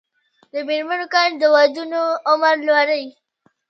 د میرمنو کار د ودونو عمر لوړوي.